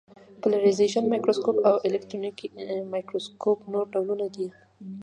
پالرېزېشن مایکروسکوپ او الکترونیکي مایکروسکوپ نور ډولونه دي.